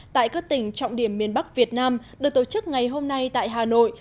tại các tỉnh trọng điểm miền bắc việt nam được tổ chức ngày hôm nay tại hà nội